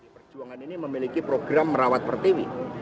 perjuangan ini memiliki program merawat pertiwi